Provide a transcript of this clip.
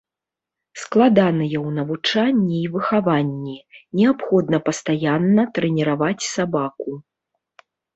Складаныя ў навучанні і выхаванні, неабходна пастаянна трэніраваць сабаку.